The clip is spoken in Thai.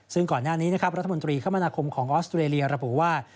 ซึ่งก่อนหน้านี้นะครับรัฐมนตรีคมนาคมของออสเตรเลียระบุว่า